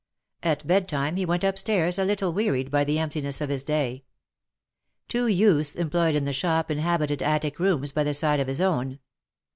At bed time he went up stairs a little wearied by the emptiness of his day. Two youths employed in the shop inhabited attic rooms by the side of liis own.